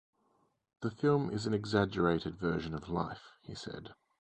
"The film is an exaggerated version of life," he said.